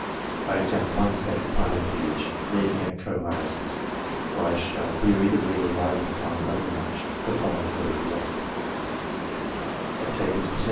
I examined one seventh part of the peerage. Leaving out co heiresses for I shall weary the reader if I refine overmuch the following were the results : No.